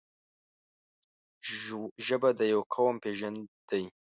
ژبه د یو قوم پېژند دی.